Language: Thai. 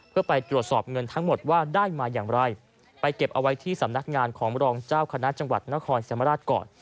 เพื่อไปตรวจสอบเงินทั้งหมดว่าได้มาอย่างไรไปเก็บเอาไว้ที่สำนักงานของรองเจ้าคณะจังหวัดนครสมราชก่อน